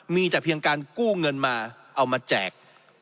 มีแต่เพียงการกู้เงินมาเอามาแจก